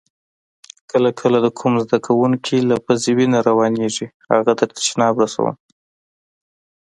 کله کله د کوم زده کونکي له پوزې وینه روانیږي هغه تر تشناب رسوم.